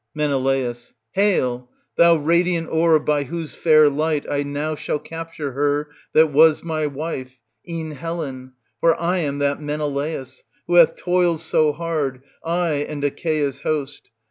Men. Hail ! thou radiant orb by whose fair light I n6w shall capture her that was my wife, e'en ^ Helen ; for I am that Menelaus, who hath toiled so hard, I and Achsea's host.